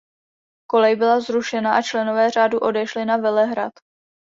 Kolej byla zrušena a členové řádu odešli na Velehrad.